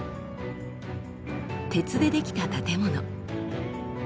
鉄で出来た建物。